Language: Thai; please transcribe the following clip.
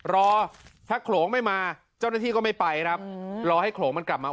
รอถ้าโขลงไม่มาเจ้าหน้าที่ก็ไม่ไปครับรอให้โขลงมันกลับมา